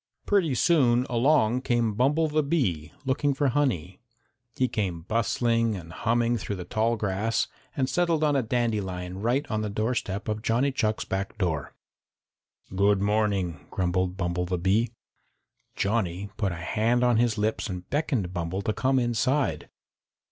Pretty soon along came Bumble the Bee, looking for honey. He came bustling and humming through the tall grass and settled on a dandelion right on the doorstep of Johnny Chuck's back door. "Good morning," grumbled Bumble the Bee. Johnny put a hand on his lips and beckoned Bumble to come inside.